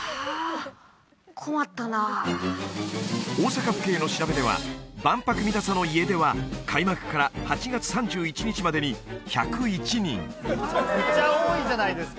あ困ったな大阪府警の調べでは万博見たさの家出は開幕から８月３１日までに１０１人